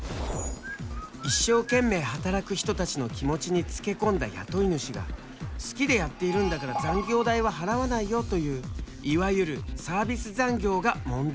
一生懸命働く人たちの気持ちにつけ込んだ雇い主が好きでやっているんだから残業代は払わないよといういわゆるサービス残業が問題になっている。